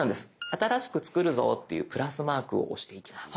新しく作るぞというプラスマークを押していきます。